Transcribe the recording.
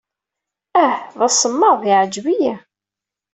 Ah, d asemmaḍ. Yeɛjeb-iyi.